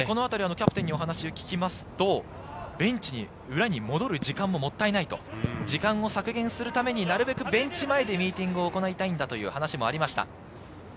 キャプテンにお話を聞くと、ベンチの裏に戻る時間ももったいないと時間を削減するためになるべくベンチ前でミーティングを行いたいという話もありました。